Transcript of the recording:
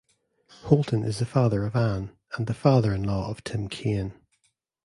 Holton is the father of Anne, and the father-in-law of Tim Kaine.